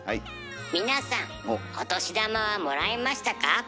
皆さんお年玉はもらいましたか？